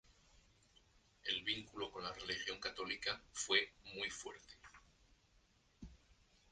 El vínculo con la religión católica fue muy fuerte.